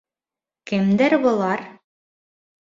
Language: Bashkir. Кемдәр былар?